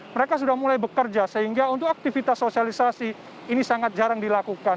mereka sudah mulai bekerja sehingga untuk aktivitas sosialisasi ini sangat jarang dilakukan